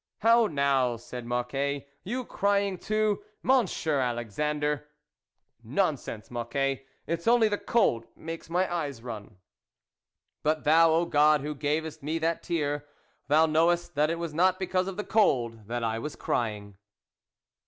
" How now ?" said Mocquet, " you cry ing too, Monsieur Alexandra !"" Nonsense, Mocquet ! it's only the cold makes my eyes run." But Thou, O God, who gavest me that tear, Thou knowest that it was not because of the cold that I was crying.